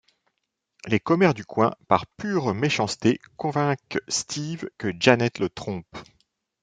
Les commères du coin, par pure méchanceté, convainquent Steve que Janet le trompe.